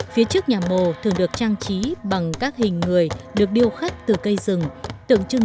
phía trước nhà mồ thường được trang trí bằng các hình người được điêu khách từ cây rừng